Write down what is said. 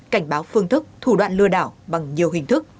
cảnh báo phương thức thủ đoạn lừa đảo bằng nhiều hình thức